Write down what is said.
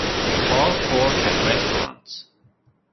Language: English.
All four have restaurants.